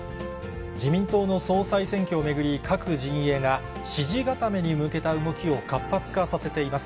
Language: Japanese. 自民党の総裁選挙を巡り、各陣営が支持固めに向けた動きを活発化させています。